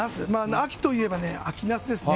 秋といえば秋ナスですね。